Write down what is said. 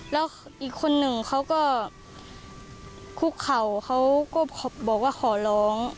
แล้วอีกคนหนึ่งเขาก็คุกเข่าเขาก็บอกว่าขอร้อง